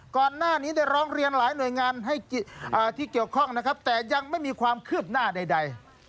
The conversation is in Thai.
ก่อนหน้านี้ได้ร้องเรียนหลายหน่วยงานให้ที่เกี่ยวข้องนะครับแต่ยังไม่มีความคืบหน้าใด